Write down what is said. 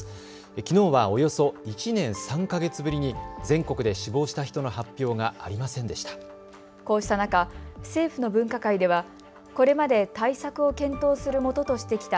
きのうはおよそ１年３か月ぶりに全国で死亡した人の発表がありませんでした。